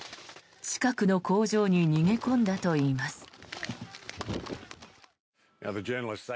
近くの工場に逃げ込んだといいます。